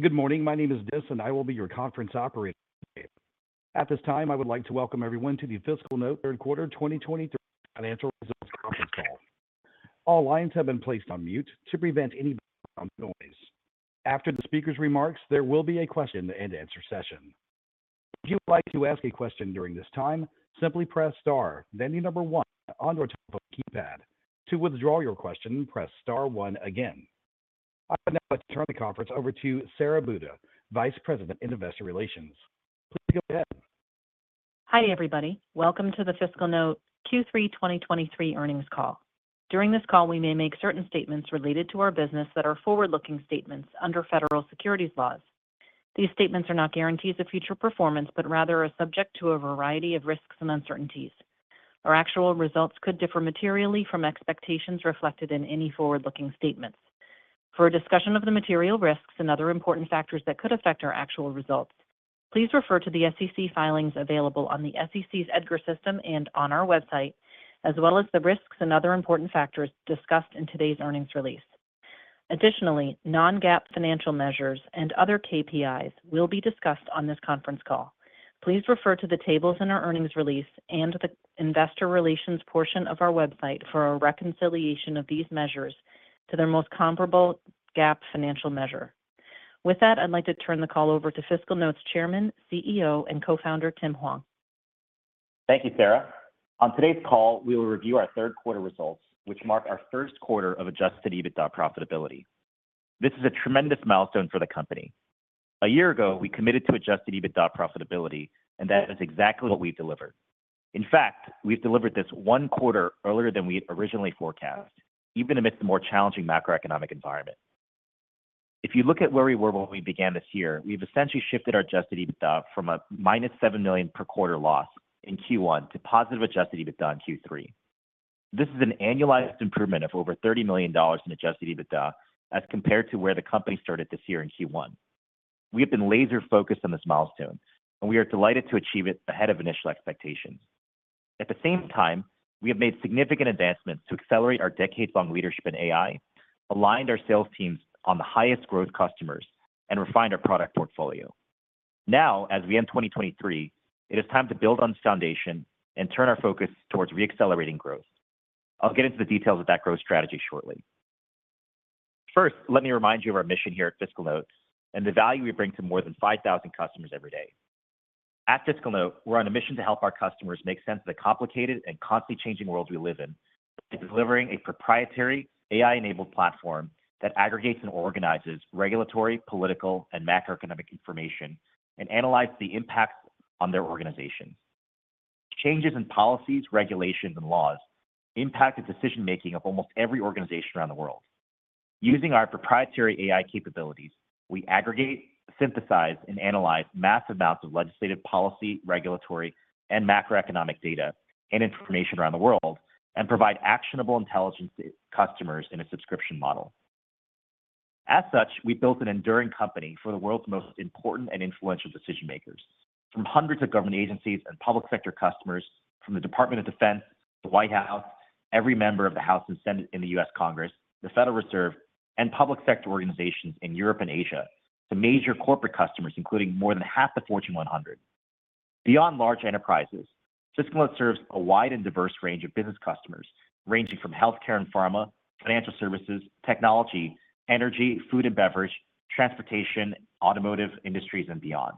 Good morning. My name is Dizz, and I will be your conference operator today. At this time, I would like to welcome everyone to the FiscalNote Third Quarter 2023 Financial Results Conference Call. All lines have been placed on mute to prevent any background noise. After the speaker's remarks, there will be a question-and-answer session. If you'd like to ask a question during this time, simply press star, then the number one on your telephone keypad. To withdraw your question, press star one again. I would now like to turn the conference over to Sara Buda, Vice President in Investor Relations. Please go ahead. Hi, everybody. Welcome to the FiscalNote Q3 2023 earnings call. During this call, we may make certain statements related to our business that are forward-looking statements under federal securities laws. These statements are not guarantees of future performance, but rather are subject to a variety of risks and uncertainties. Our actual results could differ materially from expectations reflected in any forward-looking statements. For a discussion of the material risks and other important factors that could affect our actual results, please refer to the SEC filings available on the SEC's EDGAR system and on our website, as well as the risks and other important factors discussed in today's earnings release. Additionally, non-GAAP financial measures and other KPIs will be discussed on this conference call. Please refer to the tables in our earnings release and the investor relations portion of our website for a reconciliation of these measures to their most comparable GAAP financial measure. With that, I'd like to turn the call over to FiscalNote's Chairman, CEO, and Co-founder, Tim Hwang. Thank you, Sara. On today's call, we will review our third quarter results, which mark our first quarter of Adjusted EBITDA profitability. This is a tremendous milestone for the company. A year ago, we committed to Adjusted EBITDA profitability, and that is exactly what we've delivered. In fact, we've delivered this one quarter earlier than we had originally forecast, even amidst a more challenging macroeconomic environment. If you look at where we were when we began this year, we've essentially shifted our Adjusted EBITDA from a minus $7 million per quarter loss in Q1 to positive Adjusted EBITDA in Q3. This is an annualized improvement of over $30 million in Adjusted EBITDA as compared to where the company started this year in Q1. We have been laser-focused on this milestone, and we are delighted to achieve it ahead of initial expectations. At the same time, we have made significant advancements to accelerate our decades-long leadership in AI, aligned our sales teams on the highest growth customers, and refined our product portfolio. Now, as we end 2023, it is time to build on this foundation and turn our focus towards re-accelerating growth. I'll get into the details of that growth strategy shortly. First, let me remind you of our mission here at FiscalNote and the value we bring to more than 5,000 customers every day. At FiscalNote, we're on a mission to help our customers make sense of the complicated and constantly changing world we live in, by delivering a proprietary AI-enabled platform that aggregates and organizes regulatory, political, and macroeconomic information and analyze the impact on their organization. Changes in policies, regulations, and laws impact the decision-making of almost every organization around the world. Using our proprietary AI capabilities, we aggregate, synthesize, and analyze mass amounts of legislative, policy, regulatory, and macroeconomic data and information around the world and provide actionable intelligence to customers in a subscription model. As such, we've built an enduring company for the world's most important and influential decision-makers, from hundreds of government agencies and public sector customers, from the Department of Defense, the White House, every member of the House and Senate in the U.S. Congress, the Federal Reserve, and public sector organizations in Europe and Asia, to major corporate customers, including more than half the Fortune 100. Beyond large enterprises, FiscalNote serves a wide and diverse range of business customers, ranging from healthcare and pharma, financial services, technology, energy, food and beverage, transportation, automotive industries, and beyond.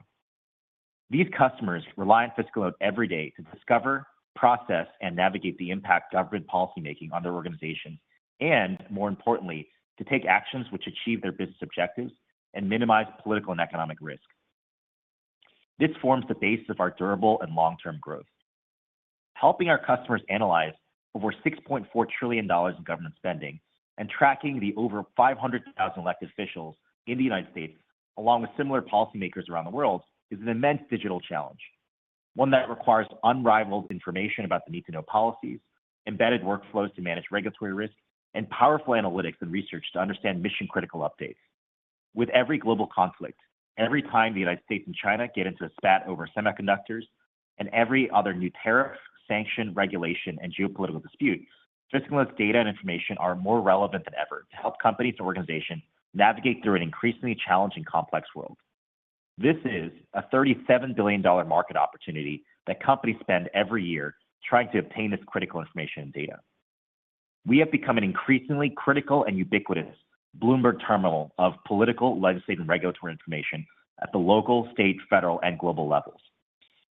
These customers rely on FiscalNote every day to discover, process, and navigate the impact government policymaking on their organization, and more importantly, to take actions which achieve their business objectives and minimize political and economic risk. This forms the base of our durable and long-term growth. Helping our customers analyze over $6.4 trillion in government spending and tracking over 500,000 elected officials in the United States, along with similar policymakers around the world, is an immense digital challenge, one that requires unrivaled information about the need-to-know policies, embedded workflows to manage regulatory risks, and powerful analytics and research to understand mission-critical updates. With every global conflict, every time the United States and China get into a spat over semiconductors, and every other new tariff, sanction, regulation, and geopolitical disputes, FiscalNote's data and information are more relevant than ever to help companies and organizations navigate through an increasingly challenging, complex world. This is a $37 billion market opportunity that companies spend every year trying to obtain this critical information and data. We have become an increasingly critical and ubiquitous Bloomberg Terminal of political, legislative, and regulatory information at the local, state, federal, and global levels.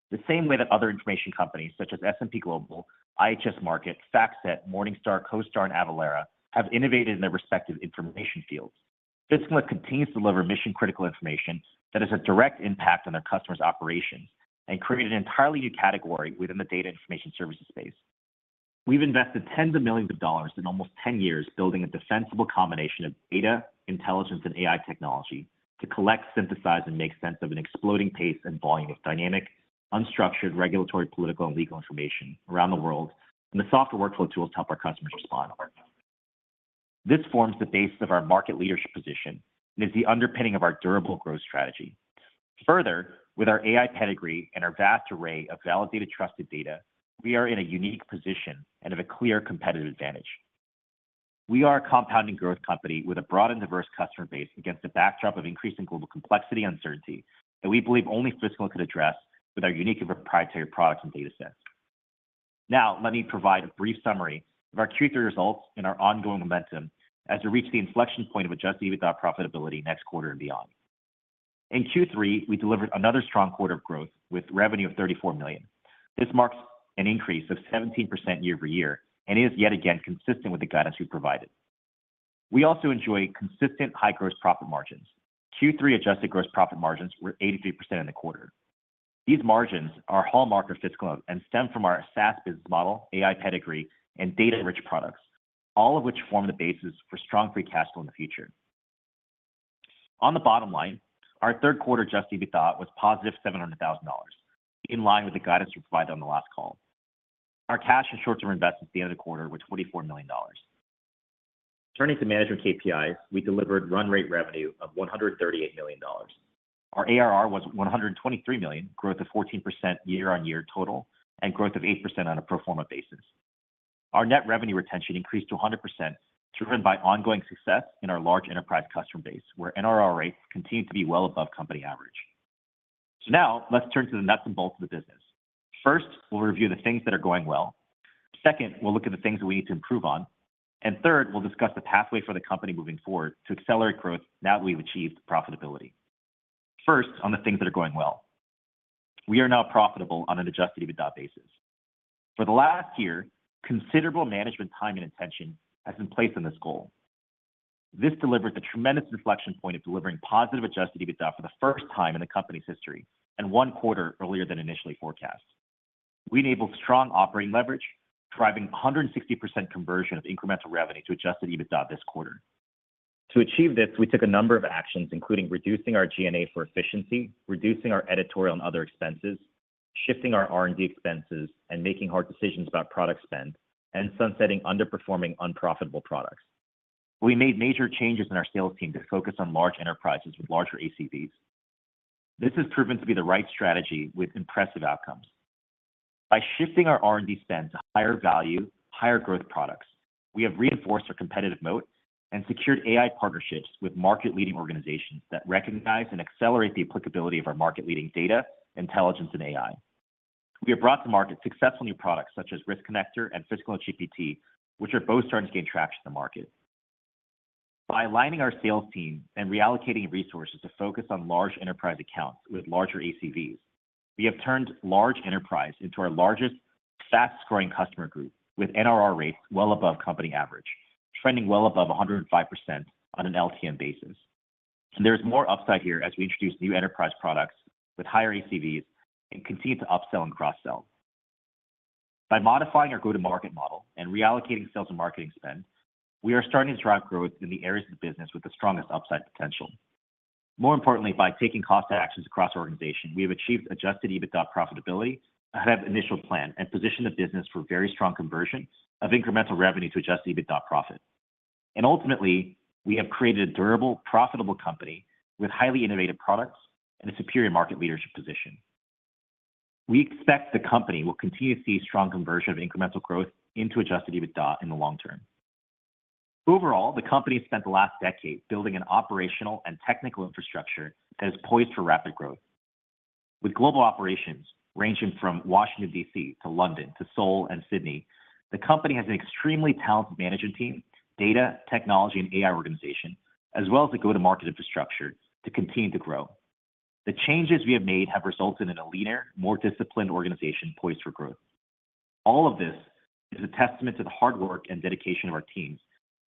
The same way that other information companies such as S&P Global, IHS Markit, FactSet, Morningstar, CoStar, and Avalara have innovated in their respective information fields. FiscalNote continues to deliver mission-critical information that has a direct impact on their customers' operations and created an entirely new category within the data information services space. We've invested $ tens of millions in almost 10 years building a defensible combination of data, intelligence, and AI technology to collect, synthesize, and make sense of an exploding pace and volume of dynamic, unstructured, regulatory, political, and legal information around the world, and the software workflow tools to help our customers respond. This forms the basis of our market leadership position and is the underpinning of our durable growth strategy. Further, with our AI pedigree and our vast array of validated, trusted data, we are in a unique position and have a clear competitive advantage. We are a compounding growth company with a broad and diverse customer base against the backdrop of increasing global complexity uncertainty, that we believe only FiscalNote could address with our unique and proprietary products and data sets. Now, let me provide a brief summary of our Q3 results and our ongoing momentum as we reach the inflection point of Adjusted EBITDA profitability next quarter and beyond. In Q3, we delivered another strong quarter of growth with revenue of $34 million. This marks an increase of 17% year-over-year, and is yet again consistent with the guidance we provided. We also enjoy consistent high gross profit margins. Q3 adjusted gross profit margins were 83% in the quarter. These margins are hallmark of FiscalNote and stem from our SaaS business model, AI pedigree, and data-rich products, all of which form the basis for strong free cash flow in the future. On the bottom line, our third quarter Adjusted EBITDA was positive $700,000, in line with the guidance we provided on the last call. Our cash and short-term investments at the end of the quarter were $24 million. Turning to management KPIs, we delivered run rate revenue of $138 million. Our ARR was $123 million, growth of 14% year-on-year total, and growth of 8% on a pro forma basis. Our net revenue retention increased to 100%, driven by ongoing success in our large enterprise customer base, where NRR rates continue to be well above company average. So now let's turn to the nuts and bolts of the business. First, we'll review the things that are going well. Second, we'll look at the things that we need to improve on. And third, we'll discuss the pathway for the company moving forward to accelerate growth now that we've achieved profitability. First, on the things that are going well. We are now profitable on an Adjusted EBITDA basis. For the last year, considerable management time and attention has been placed on this goal. This delivers a tremendous inflection point of delivering positive Adjusted EBITDA for the first time in the company's history, and one quarter earlier than initially forecast. We enabled strong operating leverage, driving 160% conversion of incremental revenue to Adjusted EBITDA this quarter. To achieve this, we took a number of actions, including reducing our G&A for efficiency, reducing our editorial and other expenses, shifting our R&D expenses, and making hard decisions about product spend, and sunsetting underperforming, unprofitable products. We made major changes in our sales team to focus on large enterprises with larger ACVs. This has proven to be the right strategy with impressive outcomes. By shifting our R&D spend to higher value, higher growth products, we have reinforced our competitive moat and secured AI partnerships with market-leading organizations that recognize and accelerate the applicability of our market-leading data, intelligence, and AI. We have brought to market successful new products such as Risk Connector and FiscalNote GPT, which are both starting to gain traction in the market. By aligning our sales team and reallocating resources to focus on large enterprise accounts with larger ACVs, we have turned large enterprise into our largest, fastest-growing customer group, with NRR rates well above company average, trending well above 105% on an LTM basis. There is more upside here as we introduce new enterprise products with higher ACVs and continue to upsell and cross-sell. By modifying our go-to-market model and reallocating sales and marketing spend, we are starting to drive growth in the areas of the business with the strongest upside potential. More importantly, by taking cost actions across our organization, we have achieved Adjusted EBITDA profitability, ahead of initial plan, and positioned the business for very strong conversion of incremental revenue to Adjusted EBITDA profit. And ultimately, we have created a durable, profitable company with highly innovative products and a superior market leadership position. We expect the company will continue to see strong conversion of incremental growth into Adjusted EBITDA in the long term. Overall, the company has spent the last decade building an operational and technical infrastructure that is poised for rapid growth. With global operations ranging from Washington, D.C. to London to Seoul and Sydney, the company has an extremely talented management team, data, technology, and AI organization, as well as a go-to-market infrastructure to continue to grow. The changes we have made have resulted in a leaner, more disciplined organization poised for growth. All of this is a testament to the hard work and dedication of our teams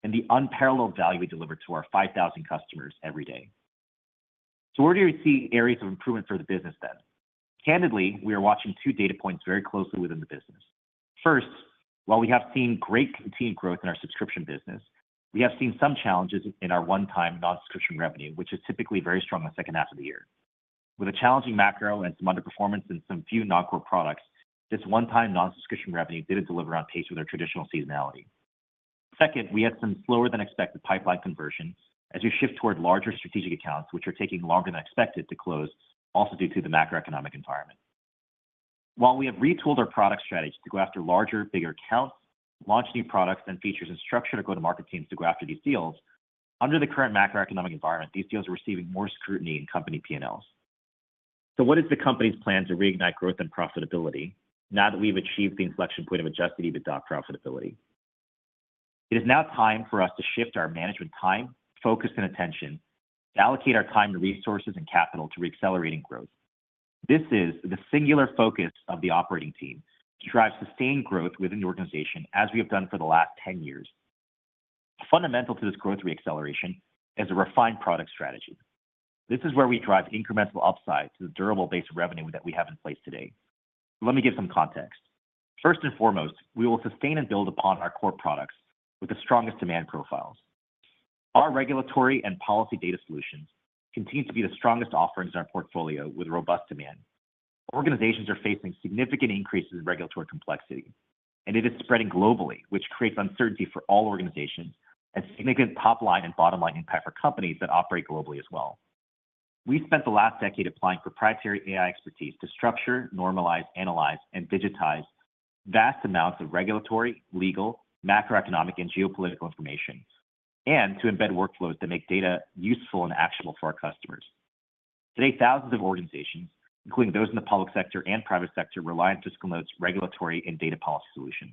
and the unparalleled value we deliver to our 5,000 customers every day. So where do we see areas of improvement for the business then? Candidly, we are watching two data points very closely within the business. First, while we have seen great continued growth in our subscription business, we have seen some challenges in our one-time non-subscription revenue, which is typically very strong in the second half of the year. With a challenging macro and some underperformance in some few non-core products, this one-time non-subscription revenue didn't deliver on pace with our traditional seasonality. Second, we had some slower-than-expected pipeline conversion as we shift toward larger strategic accounts, which are taking longer than expected to close, also due to the macroeconomic environment. While we have retooled our product strategy to go after larger, bigger accounts, launched new products and features, and structured our go-to-market teams to go after these deals, under the current macroeconomic environment, these deals are receiving more scrutiny in company P&Ls. So what is the company's plan to reignite growth and profitability now that we've achieved the inflection point of Adjusted EBITDA profitability? It is now time for us to shift our management time, focus, and attention to allocate our time, and resources, and capital to reaccelerating growth. This is the singular focus of the operating team: to drive sustained growth within the organization, as we have done for the last 10 years. Fundamental to this growth reacceleration is a refined product strategy. This is where we drive incremental upside to the durable base of revenue that we have in place today. Let me give some context. First and foremost, we will sustain and build upon our core products with the strongest demand profiles. Our regulatory and policy data solutions continue to be the strongest offerings in our portfolio with robust demand. Organizations are facing significant increases in regulatory complexity, and it is spreading globally, which creates uncertainty for all organizations and significant top-line and bottom-line impact for companies that operate globally as well. We've spent the last decade applying proprietary AI expertise to structure, normalize, analyze, and digitize vast amounts of regulatory, legal, macroeconomic, and geopolitical information, and to embed workflows that make data useful and actionable for our customers. Today, thousands of organizations, including those in the public sector and private sector, rely on FiscalNote's regulatory and data policy solutions.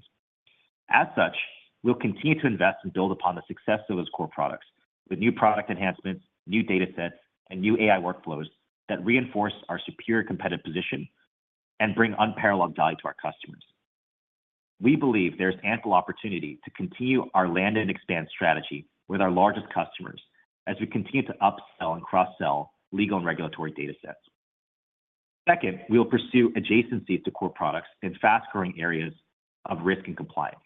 As such, we'll continue to invest and build upon the success of those core products with new product enhancements, new datasets, and new AI workflows that reinforce our superior competitive position and bring unparalleled value to our customers. We believe there's ample opportunity to continue our land and expand strategy with our largest customers as we continue to upsell and cross-sell legal and regulatory datasets. Second, we will pursue adjacencies to core products in fast-growing areas of risk and compliance.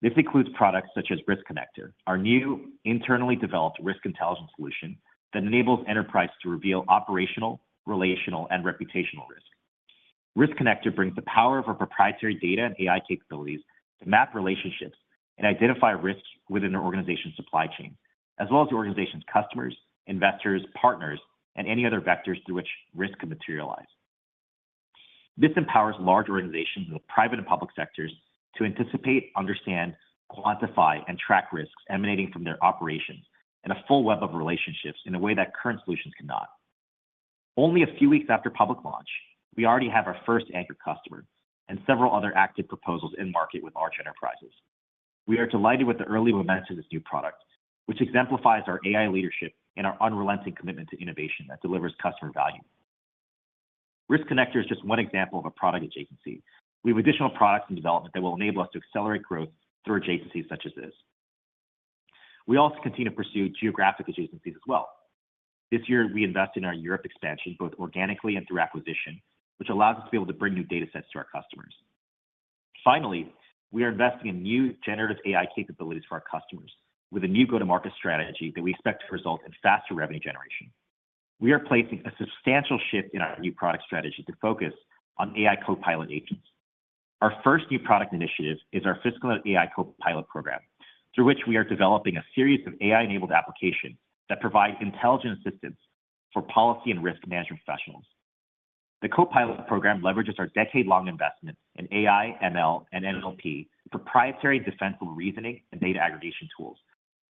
This includes products such as Risk Connector, our new internally developed risk intelligence solution that enables enterprise to reveal operational, relational, and reputational risk. Risk Connector brings the power of our proprietary data and AI capabilities to map relationships and identify risks within an organization's supply chain, as well as the organization's customers, investors, partners, and any other vectors through which risk could materialize. This empowers large organizations in the private and public sectors to anticipate, understand, quantify, and track risks emanating from their operations and a full web of relationships in a way that current solutions cannot. Only a few weeks after public launch, we already have our first anchor customer and several other active proposals in market with large enterprises. We are delighted with the early momentum of this new product, which exemplifies our AI leadership and our unrelenting commitment to innovation that delivers customer value. Risk Connector is just one example of a product adjacency. We have additional products in development that will enable us to accelerate growth through adjacencies such as this. We also continue to pursue geographic adjacencies as well. This year, we invest in our Europe expansion, both organically and through acquisition, which allows us to be able to bring new datasets to our customers. Finally, we are investing in new generative AI capabilities for our customers with a new go-to-market strategy that we expect to result in faster revenue generation. We are placing a substantial shift in our new product strategy to focus on AI Copilot agents. Our first new product initiative is our FiscalNote AI Copilot program, through which we are developing a series of AI-enabled applications that provide intelligent assistance for policy and risk management professionals. The Copilot program leverages our decade-long investment in AI, ML, and NLP, proprietary defensible reasoning and data aggregation tools,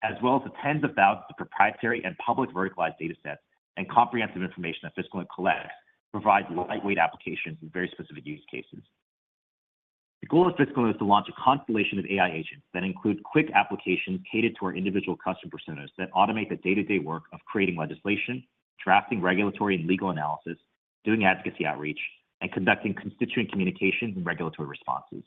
as well as the tens of thousands of proprietary and public verticalized datasets and comprehensive information that FiscalNote collects, provides lightweight applications in very specific use cases. The goal of FiscalNote is to launch a constellation of AI agents that include quick applications catered to our individual customer personas, that automate the day-to-day work of creating legislation, drafting regulatory and legal analysis, doing advocacy outreach, and conducting constituent communications and regulatory responses.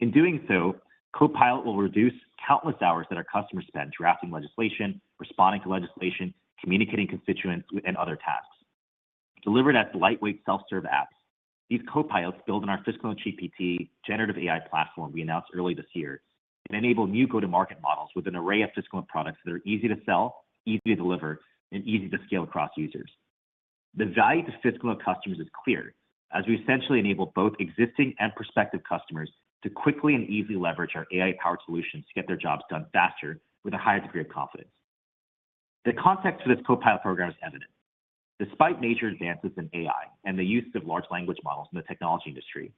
In doing so, Copilot will reduce countless hours that our customers spend drafting legislation, responding to legislation, communicating with constituents, and other tasks. Delivered as lightweight self-serve apps, these Copilots build on our FiscalNote GPT generative AI platform we announced earlier this year and enable new go-to-market models with an array of FiscalNote products that are easy to sell, easy to deliver, and easy to scale across users. The value to FiscalNote customers is clear, as we essentially enable both existing and prospective customers to quickly and easily leverage our AI-powered solutions to get their jobs done faster with a higher degree of confidence. The context for this Copilot program is evident. Despite major advances in AI and the use of large language models in the technology industry,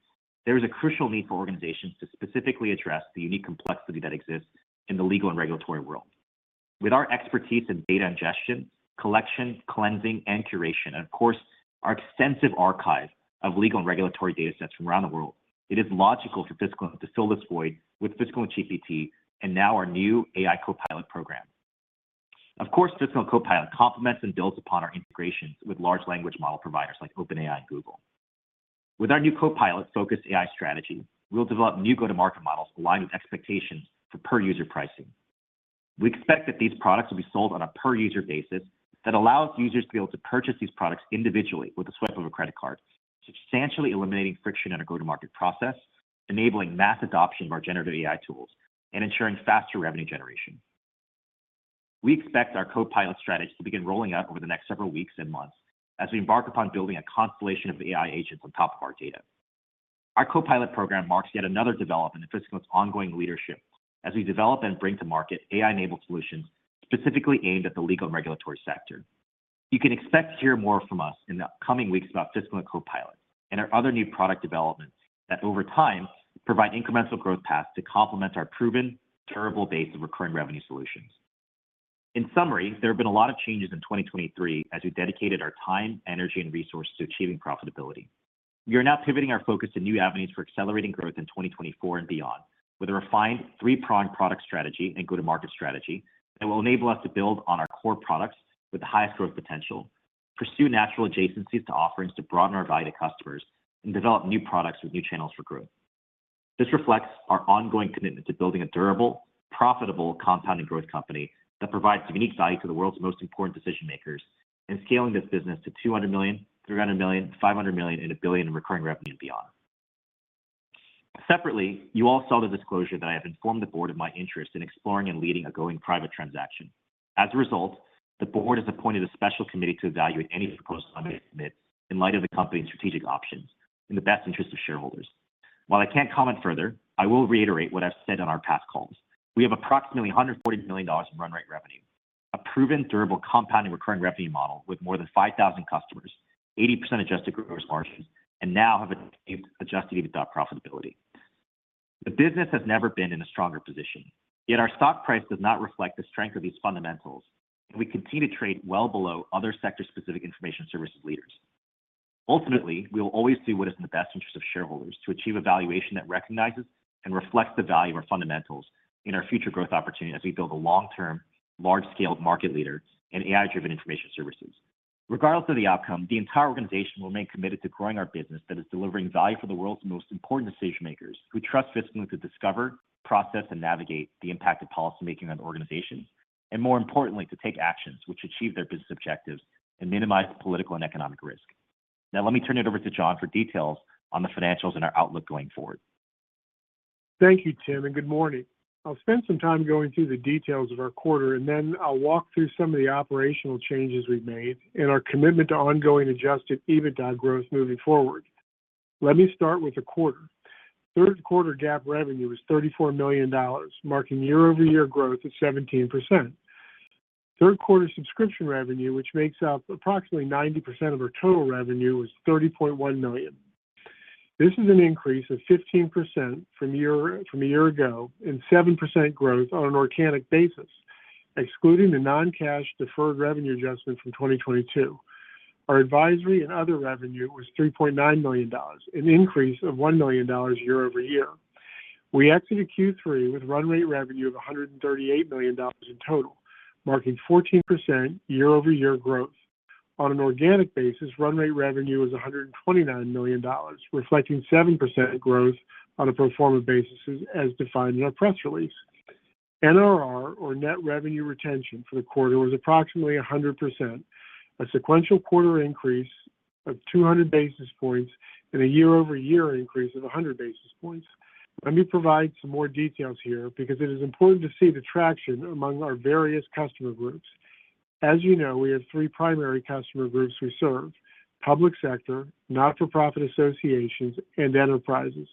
there is a crucial need for organizations to specifically address the unique complexity that exists in the legal and regulatory world. With our expertise in data ingestion, collection, cleansing, and curation, and of course, our extensive archive of legal and regulatory datasets from around the world, it is logical for FiscalNote to fill this void with FiscalNote GPT and now our new AI Copilot program. Of course, FiscalNote Copilot complements and builds upon our integrations with large language model providers like OpenAI and Google. With our new Copilot-focused AI strategy, we'll develop new go-to-market models aligned with expectations for per-user pricing. We expect that these products will be sold on a per-user basis that allows users to be able to purchase these products individually with the swipe of a credit card, substantially eliminating friction in our go-to-market process, enabling mass adoption of our generative AI tools, and ensuring faster revenue generation. We expect our Copilot strategy to begin rolling out over the next several weeks and months as we embark upon building a constellation of AI agents on top of our data. Our Copilot program marks yet another development in FiscalNote's ongoing leadership as we develop and bring to market AI-enabled solutions specifically aimed at the legal and regulatory sector. You can expect to hear more from us in the coming weeks about FiscalNote Copilot and our other new product developments that, over time, provide incremental growth paths to complement our proven, durable base of recurring revenue solutions. In summary, there have been a lot of changes in 2023 as we dedicated our time, energy, and resources to achieving profitability. We are now pivoting our focus to new avenues for accelerating growth in 2024 and beyond, with a refined three-pronged product strategy and go-to-market strategy that will enable us to build on our core products with the highest growth potential, pursue natural adjacencies to offerings to broaden our value to customers, and develop new products with new channels for growth. This reflects our ongoing commitment to building a durable, profitable, compounding growth company that provides unique value to the world's most important decision-makers, and scaling this business to $200 million, $300 million, $500 million, and $1 billion in recurring revenue and beyond. Separately, you all saw the disclosure that I have informed the board of my interest in exploring and leading a going-private transaction. As a result, the board has appointed a special committee to evaluate any proposed transactions I may submit in light of the company's strategic options in the best interest of shareholders. While I can't comment further, I will reiterate what I've said on our past calls. We have approximately $140 million in run rate revenue, a proven durable compounding recurring revenue model with more than 5,000 customers, 80% adjusted gross margins, and now have achieved adjusted EBITDA profitability. The business has never been in a stronger position, yet our stock price does not reflect the strength of these fundamentals, and we continue to trade well below other sector-specific information services leaders. Ultimately, we will always do what is in the best interest of shareholders to achieve a valuation that recognizes and reflects the value of our fundamentals and our future growth opportunities as we build a long-term, large-scale market leader in AI-driven information services. Regardless of the outcome, the entire organization will remain committed to growing our business that is delivering value for the world's most important decision-makers, who trust FiscalNote to discover, process, and navigate the impact of policymaking on organizations, and more importantly, to take actions which achieve their business objectives and minimize political and economic risk. Now, let me turn it over to Jon for details on the financials and our outlook going forward. Thank you, Tim, and good morning. I'll spend some time going through the details of our quarter, and then I'll walk through some of the operational changes we've made and our commitment to ongoing adjusted EBITDA growth moving forward. Let me start with the quarter. Third quarter GAAP revenue was $34 million, marking year-over-year growth of 17%. Third quarter subscription revenue, which makes up approximately 90% of our total revenue, was $30.1 million. This is an increase of 15% from year, from a year ago and 7% growth on an organic basis, excluding the non-cash deferred revenue adjustment from 2022. Our advisory and other revenue was $3.9 million, an increase of $1 million year over year. We entered Q3 with run rate revenue of $138 million in total, marking 14% year-over-year growth. On an organic basis, run rate revenue was $129 million, reflecting 7% growth on a pro forma basis as defined in our press release. NRR or net revenue retention for the quarter was approximately 100%, a sequential quarter increase of 200 basis points and a year-over-year increase of 100 basis points. Let me provide some more details here because it is important to see the traction among our various customer groups. As you know, we have 3 primary customer groups we serve: public sector, not-for-profit associations, and enterprises.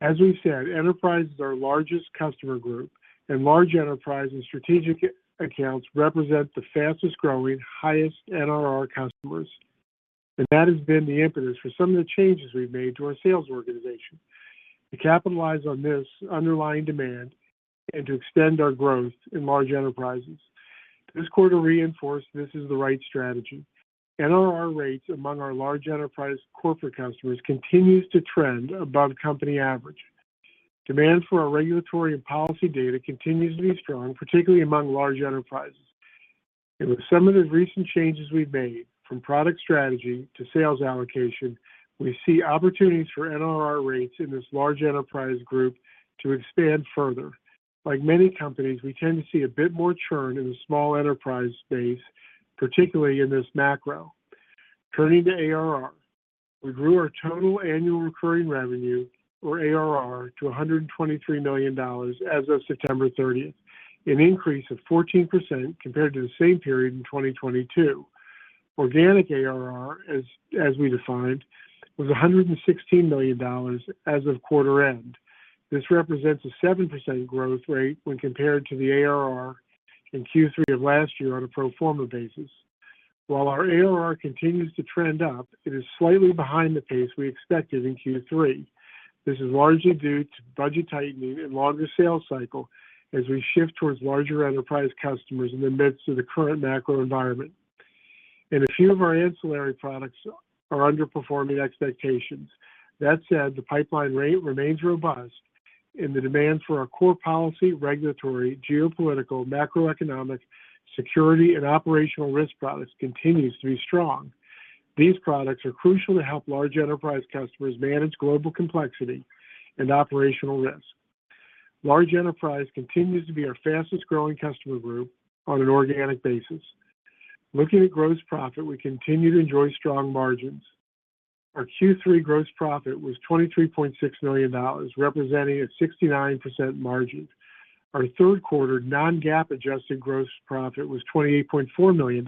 As we've said, enterprise is our largest customer group, and large enterprise and strategic accounts represent the fastest-growing, highest NRR customers. And that has been the impetus for some of the changes we've made to our sales organization to capitalize on this underlying demand and to extend our growth in large enterprises. This quarter reinforced this is the right strategy. NRR rates among our large enterprise corporate customers continues to trend above company average. Demand for our regulatory and policy data continues to be strong, particularly among large enterprises. With some of the recent changes we've made, from product strategy to sales allocation, we see opportunities for NRR rates in this large enterprise group to expand further. Like many companies, we tend to see a bit more churn in the small enterprise space, particularly in this macro. Turning to ARR, we grew our total annual recurring revenue or ARR to $123 million as of September 30th, an increase of 14% compared to the same period in 2022. Organic ARR, as we defined, was $116 million as of quarter end. This represents a 7% growth rate when compared to the ARR in Q3 of last year on a pro forma basis. While our ARR continues to trend up, it is slightly behind the pace we expected in Q3. This is largely due to budget tightening and longer sales cycle as we shift towards larger enterprise customers in the midst of the current macro environment. And a few of our ancillary products are underperforming expectations. That said, the pipeline rate remains robust, and the demand for our core policy, regulatory, geopolitical, macroeconomic, security, and operational risk products continues to be strong. These products are crucial to help large enterprise customers manage global complexity and operational risk. Large enterprise continues to be our fastest-growing customer group on an organic basis. Looking at gross profit, we continue to enjoy strong margins. Our Q3 gross profit was $23.6 million, representing a 69% margin. Our third quarter non-GAAP adjusted gross profit was $28.4 million,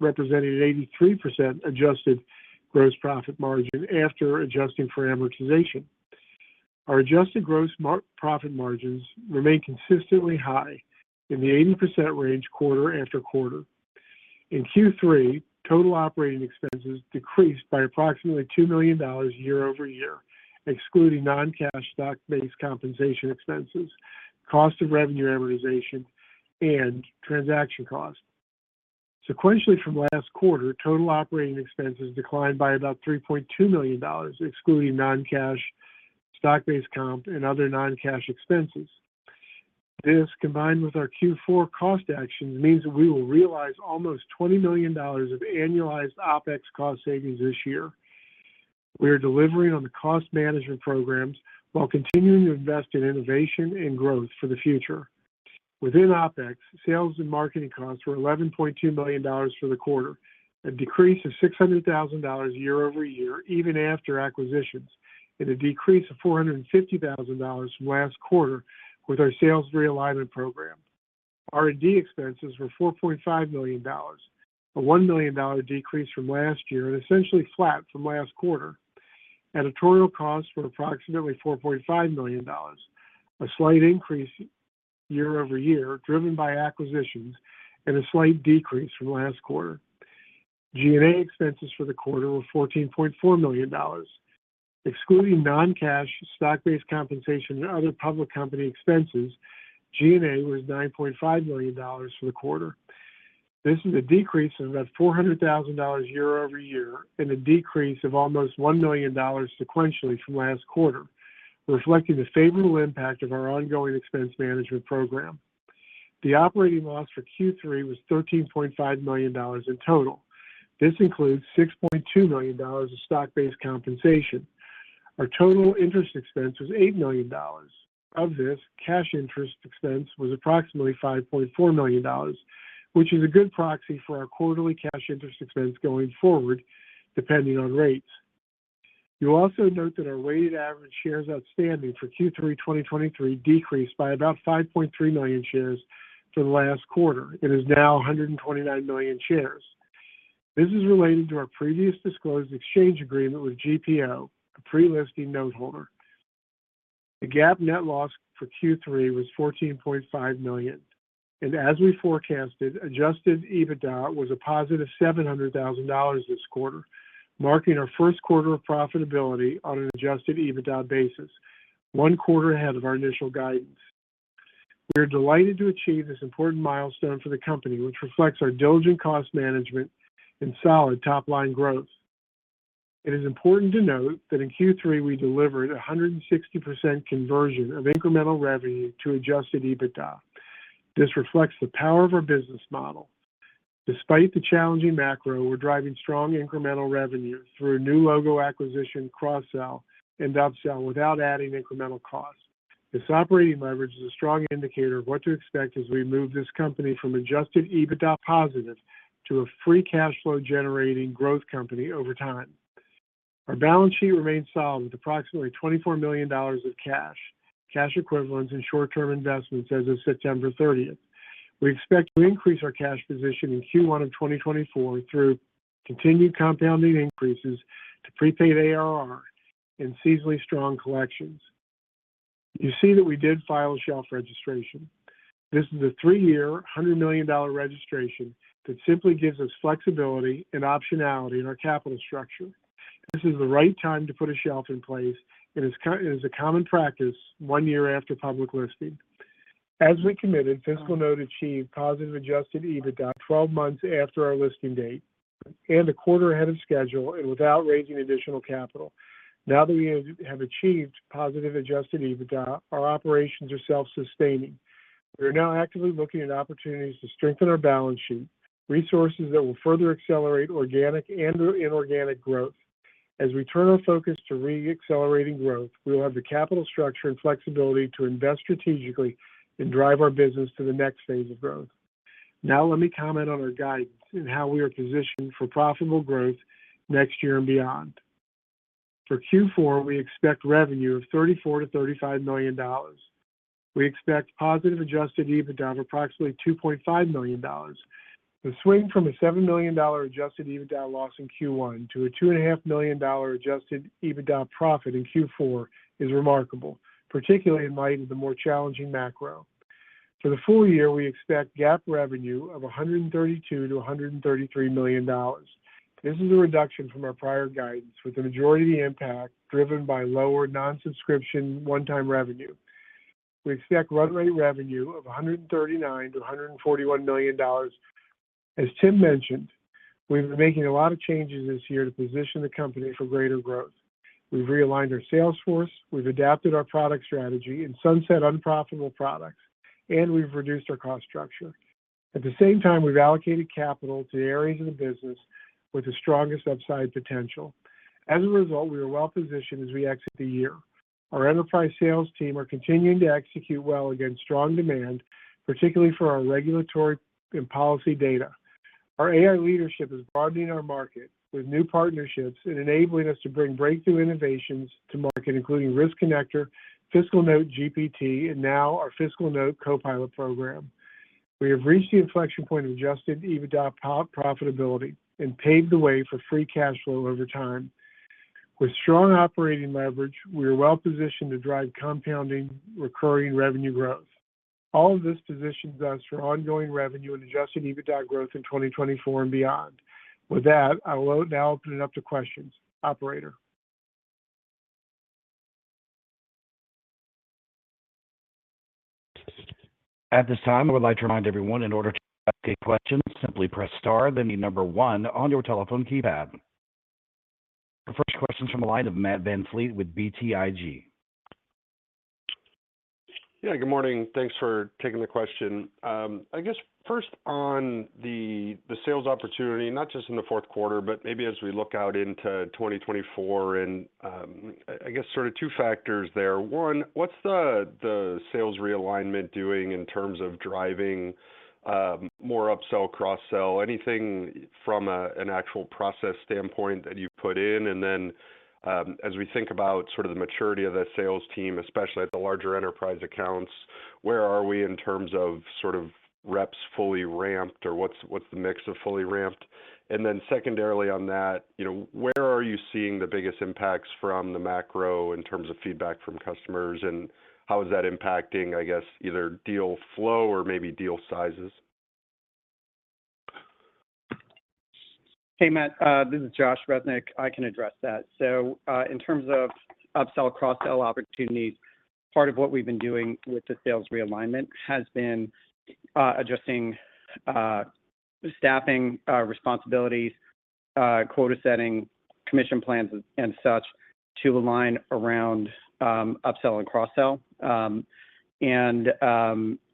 representing an 83% adjusted gross profit margin after adjusting for amortization. Our adjusted gross profit margins remain consistently high in the 80% range quarter after quarter. In Q3, total operating expenses decreased by approximately $2 million year-over-year, excluding non-cash stock-based compensation expenses, cost of revenue amortization, and transaction costs. Sequentially from last quarter, total operating expenses declined by about $3.2 million, excluding non-cash stock-based comp and other non-cash expenses. This, combined with our Q4 cost actions, means that we will realize almost $20 million of annualized OpEx cost savings this year. We are delivering on the cost management programs while continuing to invest in innovation and growth for the future. Within OpEx, sales and marketing costs were $11.2 million for the quarter, a decrease of $600,000 year-over-year, even after acquisitions, and a decrease of $450,000 from last quarter with our sales realignment program. R&D expenses were $4.5 million, a $1 million decrease from last year, and essentially flat from last quarter. Editorial costs were approximately $4.5 million, a slight increase year-over-year, driven by acquisitions, and a slight decrease from last quarter. G&A expenses for the quarter were $14.4 million. Excluding non-cash, stock-based compensation, and other public company expenses, G&A was $9.5 million for the quarter. This is a decrease of about $400,000 year-over-year, and a decrease of almost $1 million sequentially from last quarter, reflecting the favorable impact of our ongoing expense management program. The operating loss for Q3 was $13.5 million in total. This includes $6.2 million of stock-based compensation. Our total interest expense was $8 million. Of this, cash interest expense was approximately $5.4 million, which is a good proxy for our quarterly cash interest expense going forward, depending on rates. You'll also note that our weighted average shares outstanding for Q3 2023 decreased by about 5.3 million shares from last quarter and is now 129 million shares. This is related to our previous disclosed exchange agreement with GPO, a pre-listing note holder. The GAAP net loss for Q3 was $14.5 million, and as we forecasted, Adjusted EBITDA was a positive $700,000 this quarter, marking our first quarter of profitability on an Adjusted EBITDA basis, one quarter ahead of our initial guidance. We are delighted to achieve this important milestone for the company, which reflects our diligent cost management and solid top-line growth. It is important to note that in Q3, we delivered 160% conversion of incremental revenue to Adjusted EBITDA. This reflects the power of our business model. Despite the challenging macro, we're driving strong incremental revenue through a new logo acquisition, cross-sell, and upsell without adding incremental costs. This operating leverage is a strong indicator of what to expect as we move this company from Adjusted EBITDA positive to a free cash flow-generating growth company over time. Our balance sheet remains solid, with approximately $24 million of cash, cash equivalents, and short-term investments as of September 30th. We expect to increase our cash position in Q1 of 2024 through continued compounding increases to prepaid ARR and seasonally strong collections. You see that we did file a shelf registration. This is a 3-year, $100 million registration that simply gives us flexibility and optionality in our capital structure. This is the right time to put a shelf in place, and it is a common practice one year after public listing. As we committed, FiscalNote achieved positive Adjusted EBITDA 12 months after our listing date and a quarter ahead of schedule and without raising additional capital. Now that we have achieved positive Adjusted EBITDA, our operations are self-sustaining. We are now actively looking at opportunities to strengthen our balance sheet, resources that will further accelerate organic and inorganic growth. As we turn our focus to re-accelerating growth, we will have the capital structure and flexibility to invest strategically and drive our business to the next phase of growth. Now let me comment on our guidance and how we are positioned for profitable growth next year and beyond. For Q4, we expect revenue of $34 million-$35 million. We expect positive Adjusted EBITDA of approximately $2.5 million. The swing from a $7 million adjusted EBITDA loss in Q1 to a $2.5 million adjusted EBITDA profit in Q4 is remarkable, particularly in light of the more challenging macro. For the full year, we expect GAAP revenue of $132 million-$133 million. This is a reduction from our prior guidance, with the majority of the impact driven by lower non-subscription one-time revenue. We expect run rate revenue of $139 million-$141 million. As Tim mentioned, we've been making a lot of changes this year to position the company for greater growth. We've realigned our sales force, we've adapted our product strategy and sunset unprofitable products, and we've reduced our cost structure. At the same time, we've allocated capital to the areas of the business with the strongest upside potential. As a result, we are well positioned as we exit the year. Our enterprise sales team are continuing to execute well against strong demand, particularly for our regulatory and policy data. Our AI leadership is broadening our market with new partnerships and enabling us to bring breakthrough innovations to market, including Risk Connector, FiscalNote GPT, and now our FiscalNote Copilot program. We have reached the inflection point of Adjusted EBITDA pre-profitability and paved the way for free cash flow over time. With strong operating leverage, we are well positioned to drive compounding recurring revenue growth. All of this positions us for ongoing revenue and Adjusted EBITDA growth in 2024 and beyond. With that, I will now open it up to questions. Operator? At this time, I would like to remind everyone, in order to ask a question, simply press star, then the number one on your telephone keypad. Our first question is from the line of Matt VanVliet with BTIG. Yeah, good morning. Thanks for taking the question. I guess first on the sales opportunity, not just in the fourth quarter, but maybe as we look out into 2024, and I guess sort of two factors there. One, what's the sales realignment doing in terms of driving more upsell, cross-sell? Anything from an actual process standpoint that you've put in? And then, as we think about sort of the maturity of that sales team, especially at the larger enterprise accounts, where are we in terms of sort of reps fully ramped, or what's the mix of fully ramped? And then secondarily on that, you know, where are you seeing the biggest impacts from the macro in terms of feedback from customers, and how is that impacting, I guess, either deal flow or maybe deal sizes? Hey, Matt, this is Josh Resnik. I can address that. So, in terms of upsell, cross-sell opportunities, part of what we've been doing with the sales realignment has been adjusting staffing, responsibilities, quota setting, commission plans, and such to align around upsell and cross-sell. And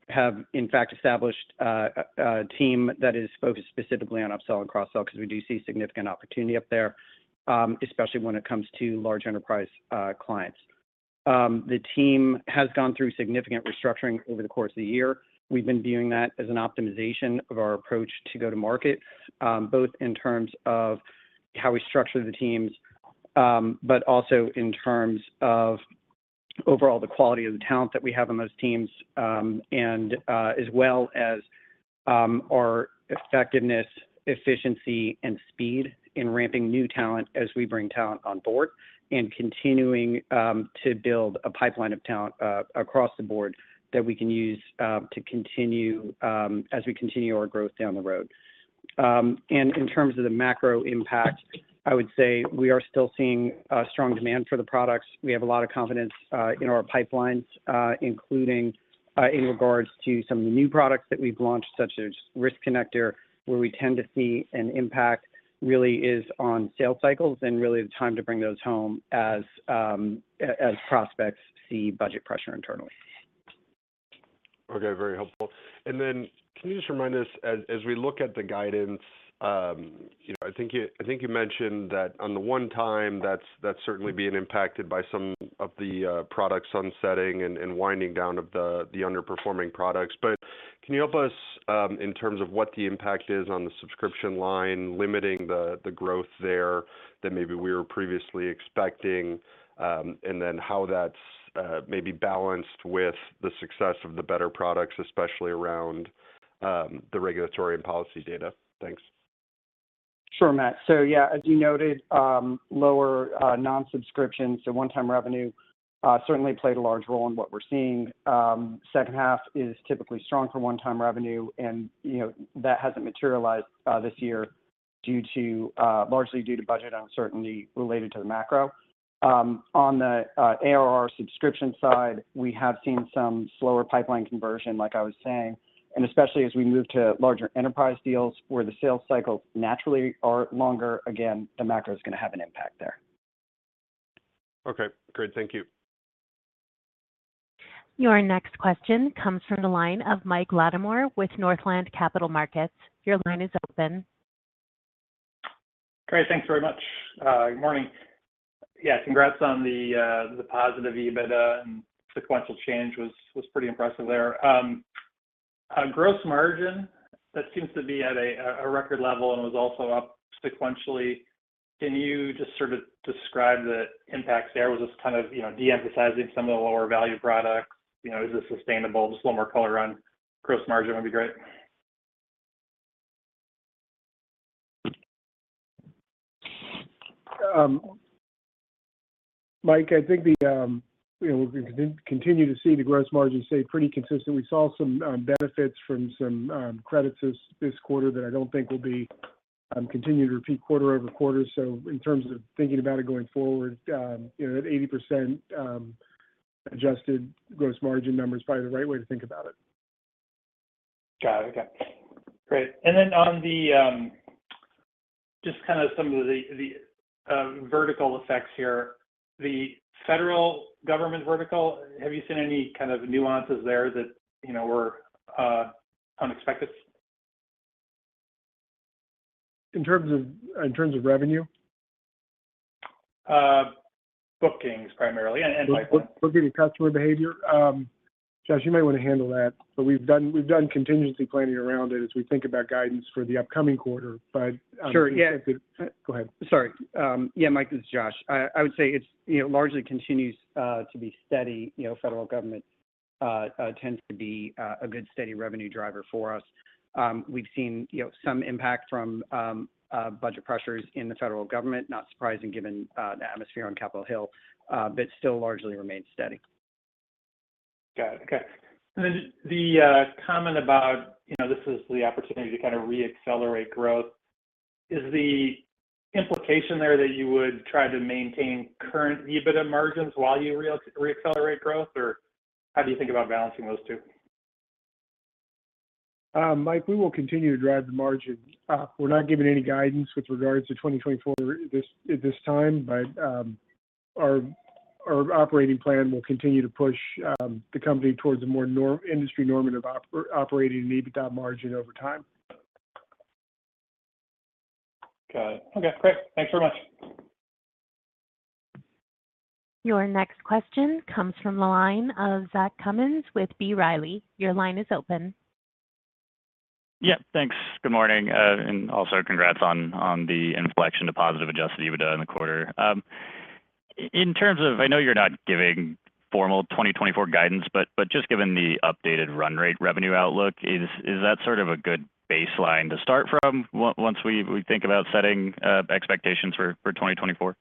have in fact established a team that is focused specifically on upsell and cross-sell, 'cause we do see significant opportunity up there, especially when it comes to large enterprise clients. The team has gone through significant restructuring over the course of the year. We've been viewing that as an optimization of our approach to go to market, both in terms of how we structure the teams, but also in terms of overall the quality of the talent that we have on those teams, and as well as our effectiveness, efficiency, and speed in ramping new talent as we bring talent on board, and continuing to build a pipeline of talent across the board that we can use as we continue our growth down the road. And in terms of the macro impact, I would say we are still seeing strong demand for the products. We have a lot of confidence in our pipelines, including in regards to some of the new products that we've launched, such as Risk Connector, where we tend to see an impact really is on sales cycles and really the time to bring those home as prospects see budget pressure internally. Okay, very helpful. And then can you just remind us, as we look at the guidance, you know, I think you mentioned that on the one time, that's certainly being impacted by some of the product sunsetting and winding down of the underperforming products. But can you help us in terms of what the impact is on the subscription line, limiting the growth there than maybe we were previously expecting? And then how that's maybe balanced with the success of the better products, especially around the regulatory and policy data? Thanks. Sure, Matt. So yeah, as you noted, lower non-subscription, so one-time revenue certainly played a large role in what we're seeing. Second half is typically strong for one-time revenue, and, you know, that hasn't materialized this year due to largely due to budget uncertainty related to the macro. On the ARR subscription side, we have seen some slower pipeline conversion, like I was saying. And especially as we move to larger enterprise deals, where the sales cycles naturally are longer, again, the macro is gonna have an impact there. Okay, great. Thank you. Your next question comes from the line of Mike Latimore with Northland Capital Markets. Your line is open. Great. Thanks very much. Good morning. Yeah, congrats on the positive EBITDA, and sequential change was pretty impressive there. Gross margin, that seems to be at a record level and was also up sequentially. Can you just sort of describe the impacts there? Was this kind of, you know, de-emphasizing some of the lower value products? You know, is this sustainable? Just a little more color on gross margin would be great. Mike, I think the, you know, we're gonna continue to see the gross margin stay pretty consistent. We saw some benefits from some credits this quarter that I don't think will be continued or repeat quarter over quarter. So in terms of thinking about it going forward, you know, at 80%, adjusted gross margin numbers is probably the right way to think about it. Got it. Okay, great. And then on the just kind of some of the vertical effects here, the federal government vertical, have you seen any kind of nuances there that, you know, were unexpected? In terms of revenue? Bookings, primarily, and pipeline. Booking customer behavior? Josh, you might want to handle that, but we've done, we've done contingency planning around it as we think about guidance for the upcoming quarter. Sure, yeah. Go ahead. Sorry. Yeah, Mike, this is Josh. I would say it's, you know, largely continues to be steady. You know, federal government tends to be a good, steady revenue driver for us. We've seen, you know, some impact from budget pressures in the federal government, not surprising given the atmosphere on Capitol Hill, but still largely remains steady. Got it. Okay. And then the comment about, you know, this is the opportunity to kind of reaccelerate growth, is the implication there that you would try to maintain current EBITDA margins while you reaccelerate growth, or how do you think about balancing those two? ...Mike, we will continue to drive the margin. We're not giving any guidance with regards to 2024 at this time, but our operating plan will continue to push the company towards a more industry normative operating EBITDA margin over time. Got it. Okay, great. Thanks very much. Your next question comes from the line of Zach Cummins with B. Riley. Your line is open. Yeah, thanks. Good morning, and also congrats on the inflection to positive Adjusted EBITDA in the quarter. In terms of, I know you're not giving formal 2024 guidance, but just given the updated run rate revenue outlook, is that sort of a good baseline to start from once we think about setting expectations for 2024?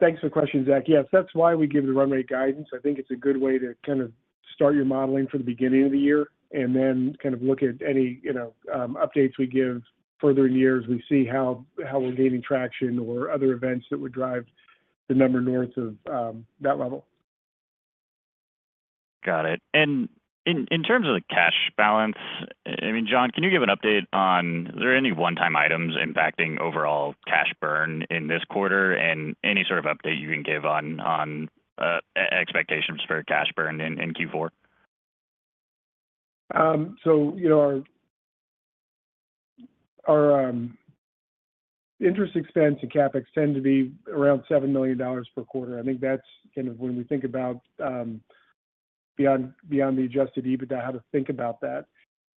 Thanks for the question, Zach. Yes, that's why we give the run rate guidance. I think it's a good way to kind of start your modeling for the beginning of the year, and then kind of look at any, you know, updates we give further in the year as we see how, how we're gaining traction or other events that would drive the number north of, that level. Got it. And in terms of the cash balance, I mean, Jon, can you give an update on are there any one-time items impacting overall cash burn in this quarter? And any sort of update you can give on expectations for cash burn in Q4? So, you know, our interest expense and CapEx tend to be around $7 million per quarter. I think that's kind of when we think about, beyond the adjusted EBITDA, how to think about that.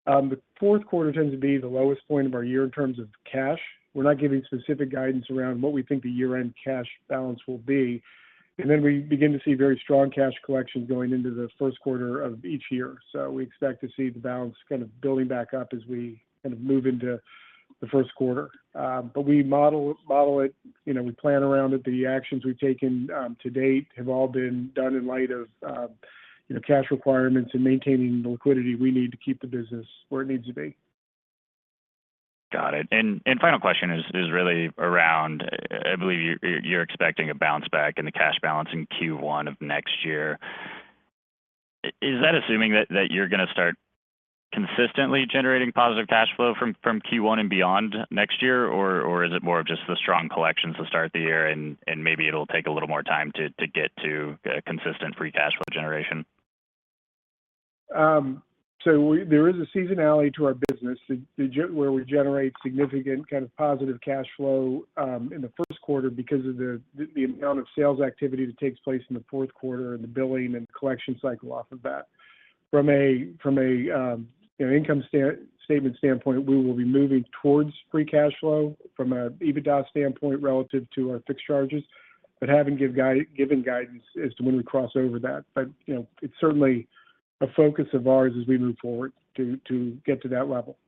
The fourth quarter tends to be the lowest point of our year in terms of cash. We're not giving specific guidance around what we think the year-end cash balance will be. And then we begin to see very strong cash collection going into the first quarter of each year. So we expect to see the balance kind of building back up as we kind of move into the first quarter. But we model it, you know, we plan around it. The actions we've taken, to date have all been done in light of, you know, cash requirements and maintaining the liquidity we need to keep the business where it needs to be. Got it. And final question is really around, I believe you, you're expecting a bounce back in the cash balance in Q1 of next year. Is that assuming that you're gonna start consistently generating positive cash flow from Q1 and beyond next year, or is it more of just the strong collections to start the year and maybe it'll take a little more time to get to a consistent free cash flow generation? So there is a seasonality to our business, where we generate significant kind of positive cash flow in the first quarter because of the amount of sales activity that takes place in the fourth quarter and the billing and collection cycle off of that. From a, you know, income statement standpoint, we will be moving towards free cash flow from a EBITDA standpoint relative to our fixed charges, but haven't given guidance as to when we cross over that. But, you know, it's certainly a focus of ours as we move forward to get to that level.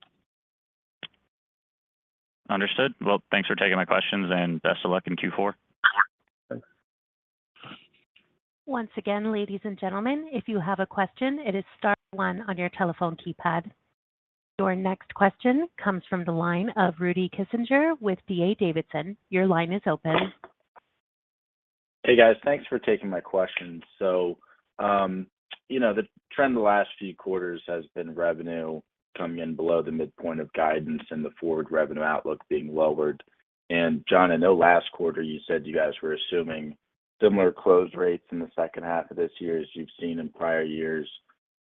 Understood. Well, thanks for taking my questions, and best of luck in Q4. Thanks. Once again, ladies and gentlemen, if you have a question, it is star one on your telephone keypad. Your next question comes from the line of Rudy Kessinger with D.A. Davidson. Your line is open. Hey, guys. Thanks for taking my question. So, you know, the trend the last few quarters has been revenue coming in below the midpoint of guidance and the forward revenue outlook being lowered. And Jon, I know last quarter you said you guys were assuming similar close rates in the second half of this year as you've seen in prior years.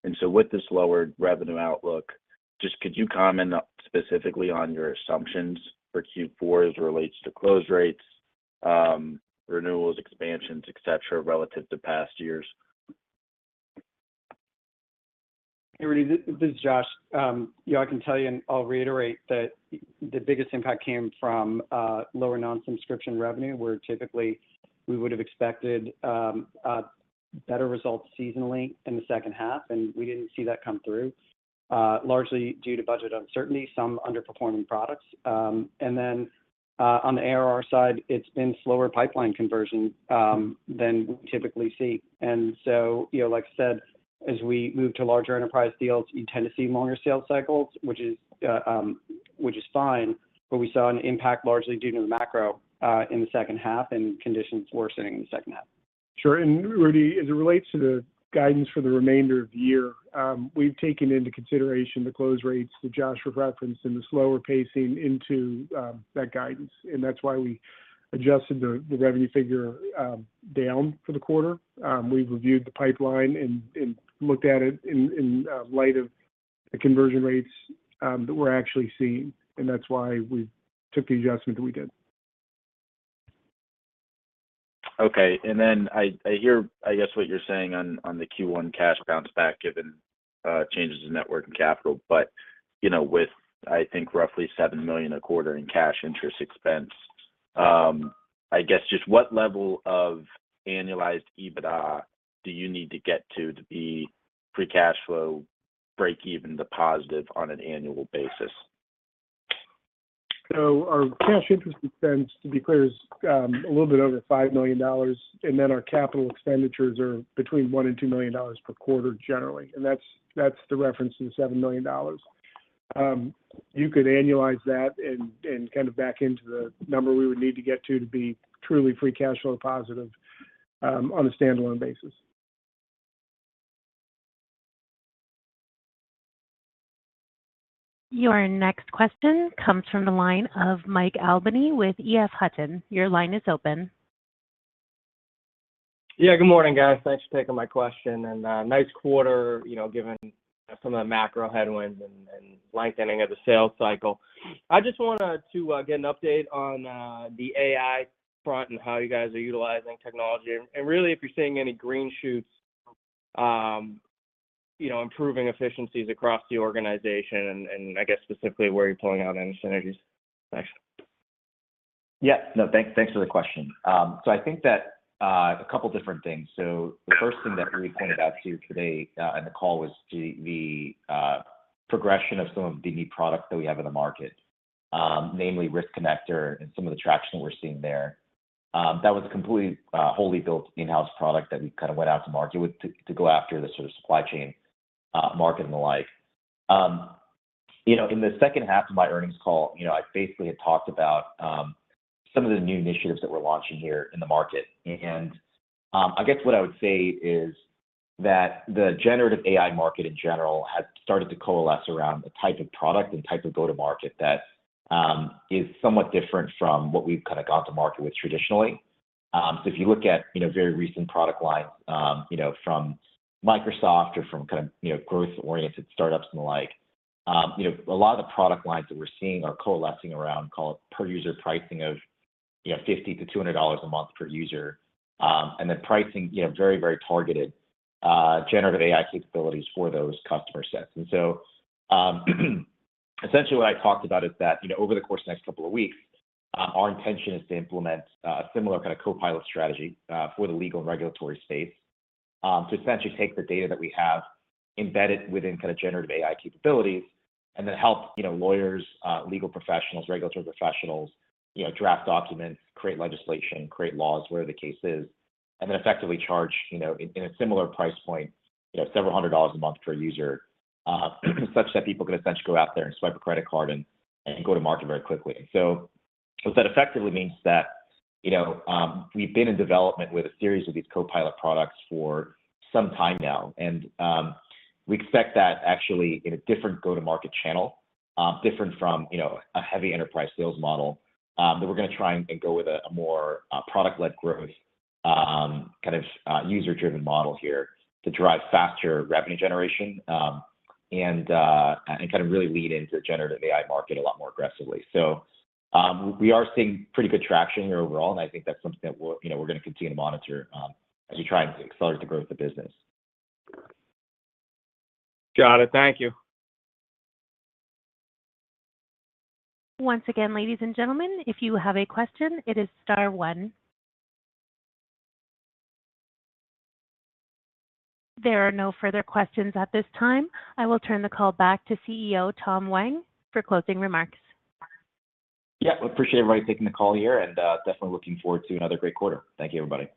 And so with this lowered revenue outlook, just could you comment specifically on your assumptions for Q4 as it relates to close rates, renewals, expansions, et cetera, relative to past years? Hey, Rudy, this is Josh. Yeah, I can tell you, and I'll reiterate that the biggest impact came from lower non-subscription revenue, where typically we would have expected a better results seasonally in the second half, and we didn't see that come through, largely due to budget uncertainty, some underperforming products. And then, on the ARR side, it's been slower pipeline conversion than we typically see. And so, you know, like I said, as we move to larger enterprise deals, you tend to see longer sales cycles, which is fine, but we saw an impact largely due to the macro in the second half and conditions worsening in the second half. Sure. Rudy, as it relates to the guidance for the remainder of the year, we've taken into consideration the close rates that Josh referenced and the slower pacing into that guidance, and that's why we adjusted the revenue figure down for the quarter. We've reviewed the pipeline and looked at it in light of the conversion rates that we're actually seeing, and that's why we took the adjustment that we did. Okay. And then I hear, I guess, what you're saying on the Q1 cash bounce back, given changes in net working capital. But, you know, with, I think, roughly $7 million a quarter in cash interest expense, I guess just what level of annualized EBITDA do you need to get to, to be free cash flow break even to positive on an annual basis? Our cash interest expense, to be clear, is a little bit over $5 million, and then our capital expenditures are between $1 million and $2 million per quarter, generally. That's the reference to the $7 million. You could annualize that and kind of back into the number we would need to get to, to be truly free cash flow positive, on a standalone basis. Your next question comes from the line of Mike Albanese with EF Hutton. Your line is open. Yeah, good morning, guys. Thanks for taking my question, and nice quarter, you know, given some of the macro headwinds and lengthening of the sales cycle. I just wanted to get an update on the AI front and how you guys are utilizing technology, and really, if you're seeing any green shoots, you know, improving efficiencies across the organization, and I guess specifically, where you're pulling out any synergies. Thanks. Yeah. No, thanks, thanks for the question. So I think that a couple different things. So the first thing that we pointed out to you today on the call was the progression of some of the new products that we have in the market, namely Risk Connector and some of the traction we're seeing there. That was completely wholly built in-house product that we kind of went out to market with to go after the sort of supply chain market and the like. You know, in the second half of my earnings call, you know, I basically had talked about some of the new initiatives that we're launching here in the market. Mm-hmm. I guess what I would say is that the generative AI market in general has started to coalesce around the type of product and type of go-to-market that is somewhat different from what we've kind of gone to market with traditionally. So if you look at, you know, very recent product lines, you know, from Microsoft or from kind of, you know, growth-oriented startups and the like, you know, a lot of the product lines that we're seeing are coalescing around call it per-user pricing of, you know, $50-$200 a month per user. Then pricing, you know, very, very targeted generative AI capabilities for those customer sets. Essentially, what I talked about is that, you know, over the course of the next couple of weeks, our intention is to implement a similar kind of Copilot strategy for the legal and regulatory space. To essentially take the data that we have embedded within kind of generative AI capabilities, and then help, you know, lawyers, legal professionals, regulatory professionals, you know, draft documents, create legislation, create laws, whatever the case is, and then effectively charge, you know, in a similar price point, you know, $several hundred a month per user, such that people can essentially go out there and swipe a credit card and go to market very quickly. So that effectively means that, you know, we've been in development with a series of these Copilot products for some time now, and we expect that actually in a different go-to-market channel, different from, you know, a heavy enterprise sales model, that we're gonna try and go with a more product-led growth kind of user-driven model here to drive faster revenue generation, and kind of really lead into the generative AI market a lot more aggressively. So, we are seeing pretty good traction here overall, and I think that's something that we're, you know, we're gonna continue to monitor as we try and accelerate the growth of business. Got it. Thank you. Once again, ladies and gentlemen, if you have a question, it is star one. There are no further questions at this time. I will turn the call back to CEO Tim Hwang for closing remarks. Yeah, appreciate everybody taking the call here and, definitely looking forward to another great quarter. Thank you, everybody.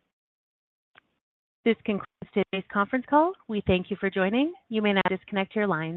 This concludes today's conference call. We thank you for joining. You may now disconnect your lines.